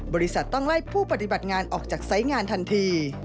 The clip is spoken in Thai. บริษัทต้องไล่ผู้ปฏิบัติงานออกจากไซส์งานทันที